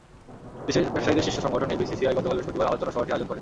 দেশের ব্যবসায়ীদের শীর্ষ সংগঠন এফবিসিসিআই গতকাল বৃহস্পতিবার আলোচনা সভাটির আয়োজন করে।